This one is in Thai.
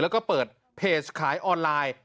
แล้วก็เปิดเพจขายออนไลน์